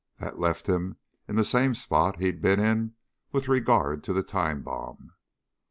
That left him in the same spot he'd been in with regard to the time bomb.